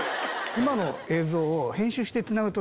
今の映像を。